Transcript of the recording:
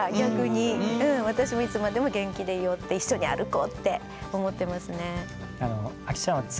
私もいつまでも元気でいようって一緒に歩こうって思ってますね。